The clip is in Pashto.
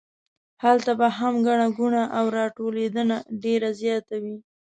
هلته به هم ګڼه ګوڼه او راټولېدنه ډېره زیاته وي.